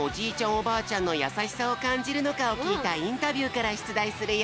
おばあちゃんのやさしさをかんじるのかをきいたインタビューからしゅつだいするよ。